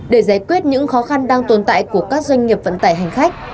để giải quyết những khó khăn đang tồn tại của các doanh nghiệp vận tải hành khách